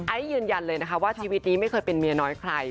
ยืนยันเลยนะคะว่าชีวิตนี้ไม่เคยเป็นเมียน้อยใคร